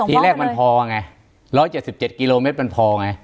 ทีแรกมันพอไง๑๗๗กิโลเมตรมันพอไง